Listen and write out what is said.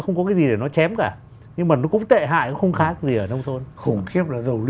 không có cái gì để nó chém cả nhưng mà nó cũng tệ hại nó không khác gì ở nông thôn khủng khiếp là